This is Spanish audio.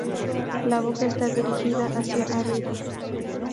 La boca está dirigida hacia arriba.